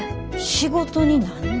仕事になんの？